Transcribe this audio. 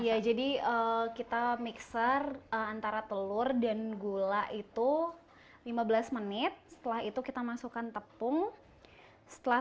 iya jadi kita mixer antara telur dan gula itu lima belas menit setelah itu kita masukkan tepung setelah